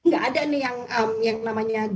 gak ada nih yang namanya green recovery itu kan